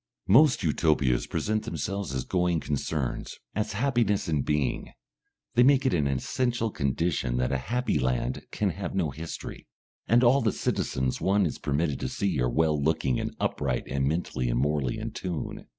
Most Utopias present themselves as going concerns, as happiness in being; they make it an essential condition that a happy land can have no history, and all the citizens one is permitted to see are well looking and upright and mentally and morally in tune.